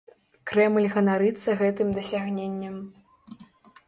Крэмль ганарыцца гэтым дасягненнем.